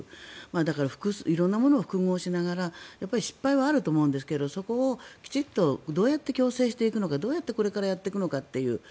だから、色んなものを複合しながら失敗はあると思うんですがそこをどうやって矯正していくのかどうやってこれからやっていくのかという。